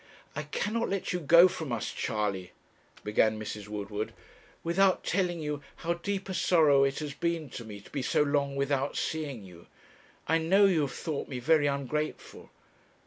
'I cannot let you go from us, Charley,' began Mrs. Woodward, 'without telling you how deep a sorrow it has been to me to be so long without seeing you. I know you have thought me very ungrateful.'